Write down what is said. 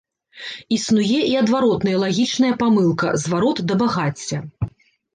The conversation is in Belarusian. Існуе і адваротная лагічная памылка, зварот да багацця.